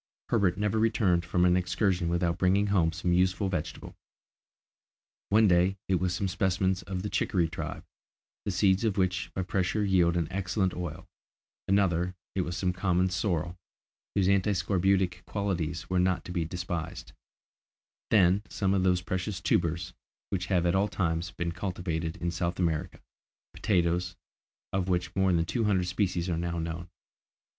Herbert never returned from an excursion without bringing home some useful vegetable. One day, it was some specimens of the chicory tribe, the seeds of which by pressure yield an excellent oil; another, it was some common sorrel, whose anti scorbutic qualities were not to be despised; then, some of those precious tubers, which have at all times been cultivated in South America, potatoes, of which more than two hundred species are now known.